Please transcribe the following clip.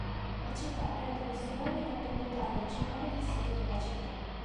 La città prende questo nome dal proprietario originale del sito della città.